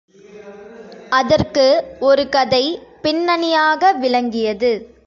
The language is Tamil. அதற்கு ஒரு கதை பின்னணியாக விளங்கியது.